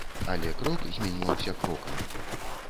Але крок зменьваўся крокам.